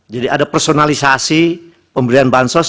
jadi ada personalisasi pemberian bansos